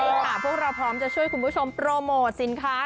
ใช่ค่ะพวกเราพร้อมจะช่วยคุณผู้ชมโปรโมทสินค้า